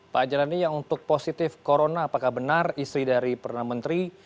pak jalani yang untuk positif corona apakah benar istri dari perdana menteri